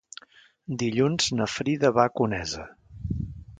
Dilluns na Frida va a Conesa.